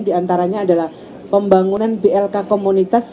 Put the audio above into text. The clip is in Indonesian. diantaranya adalah pembangunan blk komunitas